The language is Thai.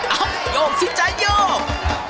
เอ้าโยมสิใจโยม